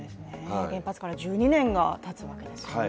原発から１２年がたつわけですよね。